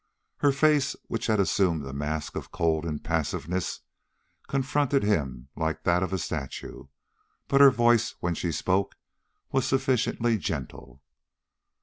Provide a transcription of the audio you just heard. Her face, which had assumed a mask of cold impassiveness, confronted him like that of a statue, but her voice, when she spoke, was sufficiently gentle.